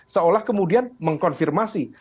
seolah kemudian mengkonfirmasi